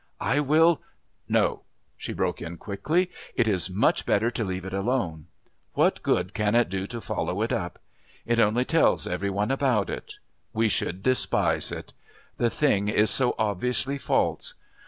I will " "No," she broke in quickly. "It is much better to leave it alone. What good can it do to follow it up? It only tells every one about it. We should despise it. The thing is so obviously false.